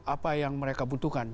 apa yang mereka butuhkan